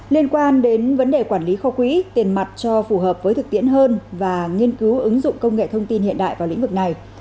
liên quan đến vấn đề quản lý kho quỹ tiền mặt cho phù hợp với thực tiễn hơn và nghiên cứu ứng dụng công nghệ thông tin hiện đại vào lĩnh vực này